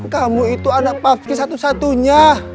kamu itu anak pafki satu satunya